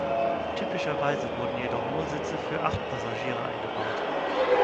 Typischerweise wurden jedoch nur Sitze für acht Passagiere eingebaut.